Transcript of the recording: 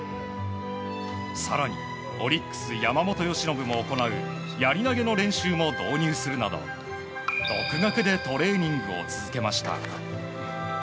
更に、オリックス山本由伸も行うやり投げの練習も導入するなど独学でトレーニングを続けました。